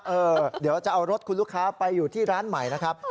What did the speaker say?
เดี๋ยวจะเอารถคุณลูกค้าไปอยู่ที่ร้านใหม่นะครับ